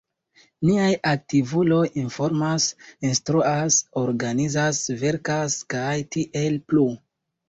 Niaj aktivuloj informas, instruas, organizas, verkas, kaj tiel plu.